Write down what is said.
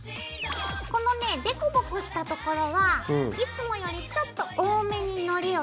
このねぇ凸凹したところはいつもよりちょっと多めにのりを塗ろう。